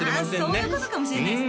あっそういうことかもしれないですね